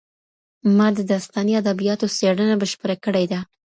ما د داستاني ادبیاتو څېړنه بشپړه کړې ده.